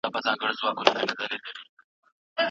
که موږ صادق نه واوسو نو پرمختګ نه کوو.